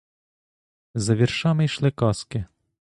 За віршами йшли казки.